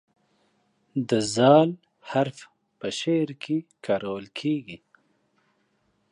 د "ذ" حرف په شعر کې کارول کیږي.